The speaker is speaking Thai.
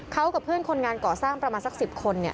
เขากับเพื่อนคนงานก่อสร้างประมาณสัก๑๐คน